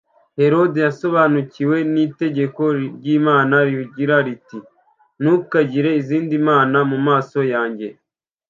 Herode yasobanukiwe n’itegeko ry’Imana rivuga riti : “Ntukagire izindi mana mu maso yanjye”